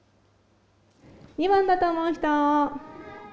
２番だと思う人？